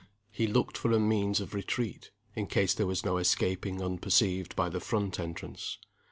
He looked for a means of retreat, in case there was no escaping unperceived by the front entrance.